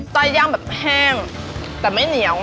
ต้อยย่างแบบแห้งแต่ไม่เหนียว